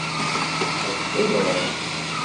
Ad tt-teẓrem.